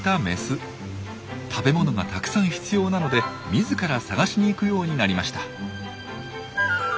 食べ物がたくさん必要なので自ら探しに行くようになりました。